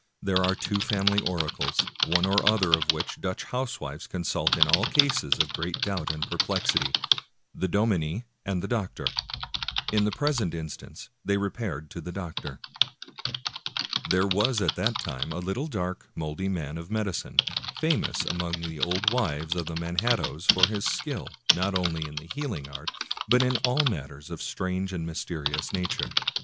There are two family oracles, one or other of which Dutch housewives consult in all cases of great doubt and perplexity, — the dominie and the doctor. In the present instance they re paired to the doctor. There was at that time a little dark, moldy man of medicine, famous among the old wives of the Manhattoes for his skill, not only in the healing art, but in all matters of strange and mysterious nature.